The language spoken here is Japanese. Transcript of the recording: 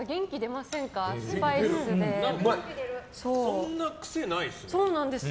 そんな癖ないですね。